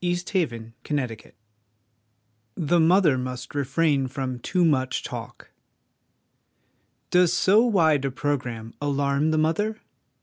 THE CHILD AND MOTHER NATURE The Mother must refrain from too much Talk. Does so wide a programme alarm the mother?